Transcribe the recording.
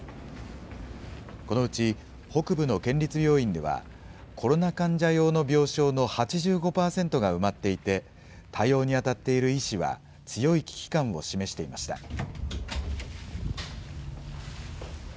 このうち、北部の県立病院では、コロナ患者用の病床の８５％が埋まっていて、対応に当たっている医師は強い危機感を示していました。